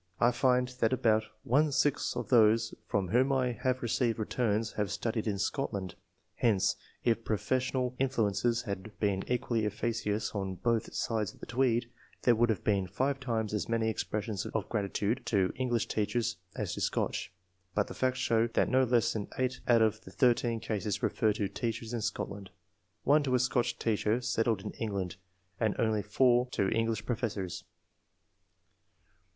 I find that about one sixth of those from whom I have received returns have studied in Scotland ; hence, if professorial in fluences had been equally efficacious on both 216 ENGLISH MEN OF SCIENCE. [chap. sides of the Tweed, there would have been 5 times aa many expressions of gratitude to En glish teachers as to Scotch. But the facts show that no less than 8 out of the 13 cases refer to teachers in Scotland, 1 to a Scotch teacher settled in Enghmd, and only 4 to English professors.